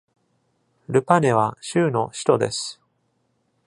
ルパネは州の首都です。